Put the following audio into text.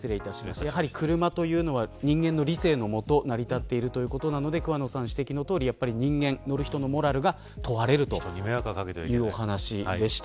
やはり車は人間の理性の元成り立っているということなので桑野さんの指摘のとおり乗る人のモラルが問われるというお話でした。